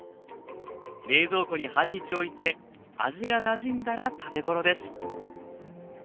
冷蔵庫に半日おいて味がなじんだら食べ頃です